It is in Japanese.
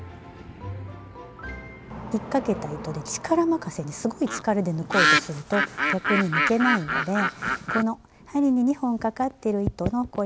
ひっかけた糸で力任せにすごい力で抜こうとすると逆に抜けないのでこの針に２本かかってる糸のこれをね